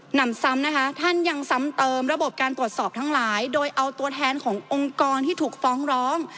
นำซ้ำนะคะท่านยังซ้ำเติมระบบการตรวจสอบทั้งหลายโดยเอาตัวแทนขององค์กรที่ถูกฟ้องร้อง